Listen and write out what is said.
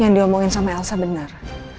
yang diomongin sama elsa benar